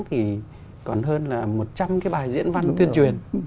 thì còn hơn là một trăm linh cái bài diễn văn tuyên truyền